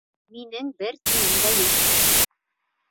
Минең бер тинем дә юҡ.